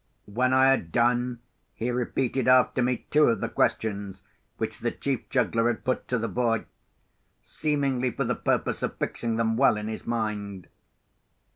When I had done, he repeated after me two of the questions which the chief juggler had put to the boy—seemingly for the purpose of fixing them well in his mind.